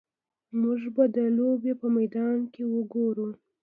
موږ به د لوبې په میدان کې وګورو